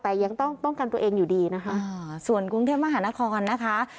แต่ยังต้องป้องกันตัวเองอยู่ดีนะคะส่วนกรุงเทพมหานครนะคะ